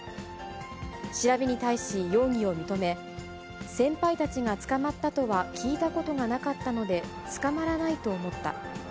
調べに対し容疑を認め、先輩たちが捕まったとは聞いたことがなかったので、捕まらないと思った。